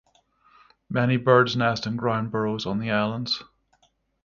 Many birds nest in ground burrows on the islands.